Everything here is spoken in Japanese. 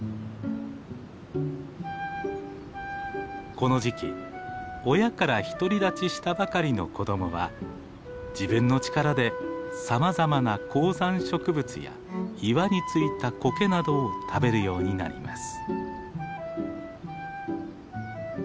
この時期親から独り立ちしたばかりの子供は自分の力でさまざまな高山植物や岩に付いたこけなどを食べるようになります。